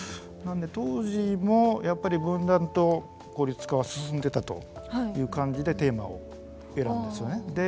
なので当時もやっぱり分断と孤立化は進んでたという感じでテーマを選んだんですよね。